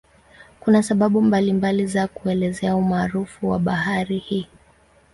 Kuna sababu mbalimbali za kuelezea umaarufu wa bahari hii.